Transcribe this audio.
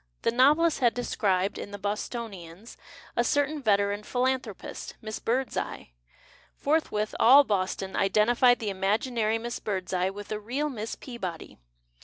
The novelist had described in " The Bostonians '' a certain veteran philanthropist, " Miss Birdseye." Forthwith all Boston identified the imaginary Miss Birdseye with a real Miss Peabody.